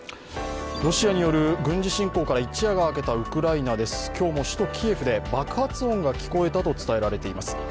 ロシアによる軍事侵攻から一夜が明けたウクライナです、今日も首都キエフで爆発音が聞こえたと伝えられています。